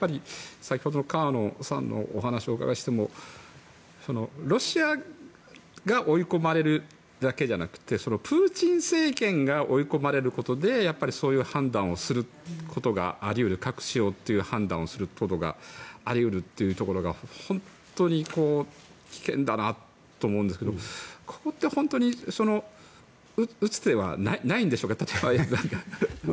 先ほどの河野さんのお話をお伺いしてもロシアが追い込まれるだけじゃなくてプーチン政権が追い込まれることでそういう判断をすることがあり得る核使用という判断をすることがあり得るということが本当に危険だなと思うんですがここって本当に打つ手はないんでしょうか。